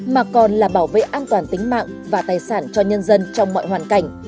mà còn là bảo vệ an toàn tính mạng và tài sản cho nhân dân trong mọi hoàn cảnh